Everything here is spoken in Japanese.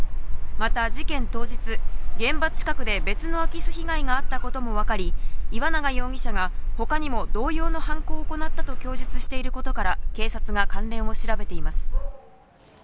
また事件当日、現場近くで別の空き巣被害があったことも分かり、岩永容疑者が他にも同様の犯行を行ったと供述していることから、警察が関連を調べています。